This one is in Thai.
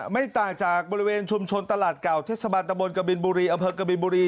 ไม่ต่างจากบริเวณชุมชนตลาดเก่าเทศบาลตะบนกบินบุรีอำเภอกบินบุรี